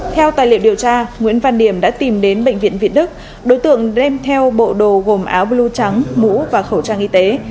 theo tài liệu điều tra nguyễn văn điểm đã tìm đến bệnh viện việt đức đối tượng đem theo bộ đồ gồm áo blue trắng mũ và khẩu trang y tế